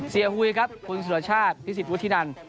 เซียหุยครับคุณสุดชาติพิศิษฐ์วุฒินันต์